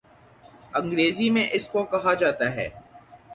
انگریزی میں اس کو کہا جاتا ہے